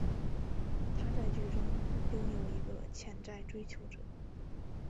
她在剧中拥有一个潜在追求者。